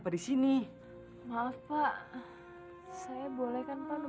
ratus jalan aja buka dulu